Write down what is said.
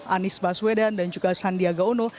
anies baswedan dan juga sandiaga uno